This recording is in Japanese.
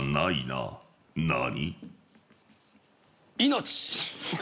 命！